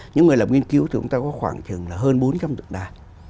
những người làm nghiên cứu thì chúng ta có khoảng chừng là hơn bốn trăm linh tượng đài